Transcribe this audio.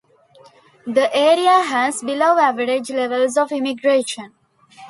The area has below average levels of immigration.